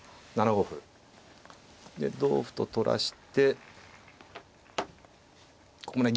７五歩。で同歩と取らしてここもね